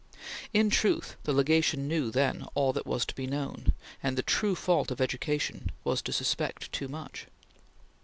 In truth, the Legation knew, then, all that was to be known, and the true fault of education was to suspect too much.